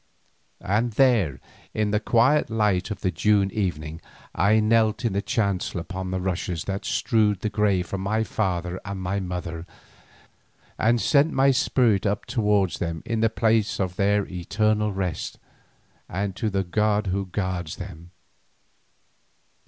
And there in the quiet light of the June evening I knelt in the chancel upon the rushes that strewed the grave of my father and my mother, and sent my spirit up towards them in the place of their eternal rest, and to the God who guards them.